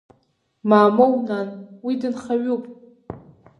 Мамоу, нан, уи дынхаҩуп.